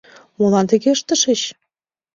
Молан тыге ыштышыч?